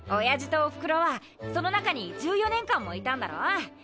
親父とお袋はその中に１４年間もいたんだろ？